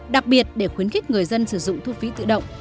đặc biệt để khuyến khích người dân sử dụng thu phí tự động